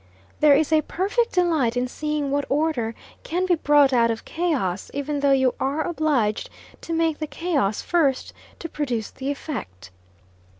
There is a perfect delight in seeing what order can be brought out of chaos, even though you are obliged to make the chaos first, to produce the effect.